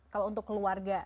kalau untuk keluarga